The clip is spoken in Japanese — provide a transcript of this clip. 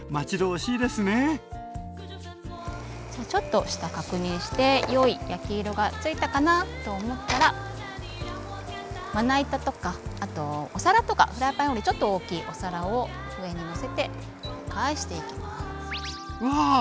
じゃちょっと下確認して良い焼き色が付いたかなと思ったらまな板とかあとお皿とかフライパンよりちょっと大きいお皿を上にのせて返していきます。